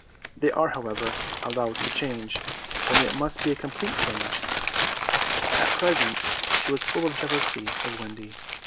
They are, however, allowed to change, only it must be a complete change. At present she was full of jealousy of Wendy.